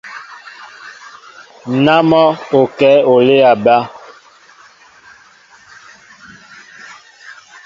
Ná mɔ́ o kɛ̌ olê a bá.